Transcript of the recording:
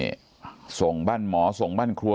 นี่ส่งบ้านหมอส่งบ้านครัว